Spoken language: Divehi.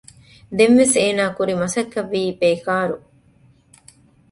ދެންވެސް އޭނަ ކުރި މަސައްކަތްވީ ބޭކާރު